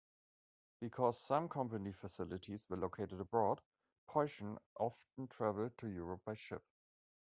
Because some company facilities were located abroad, Peuchen often traveled to Europe by ship.